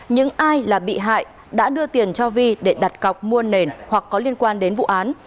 những ai là bị hại đã đưa tiền cho vi để đặt cọc mua nền hoặc có liên quan đến vụ án